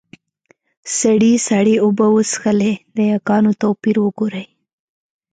سړي سړې اوبۀ وڅښلې . د ياګانو توپير وګورئ!